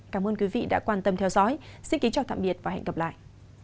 cảm ơn quý vị đã quan tâm theo dõi xin kính chào tạm biệt và hẹn gặp lại